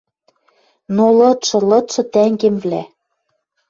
Но, лыдшы, лыдшы тӓнгемвлӓ